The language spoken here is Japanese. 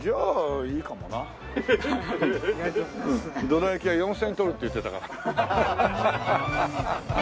どら焼きは４０００円とるって言ってたから。